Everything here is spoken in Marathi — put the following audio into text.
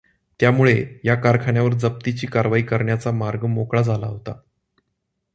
त्यामुळे या कारखान्यावर जप्तीची कारवाई करण्याचा मार्ग मोकळा झाला होता.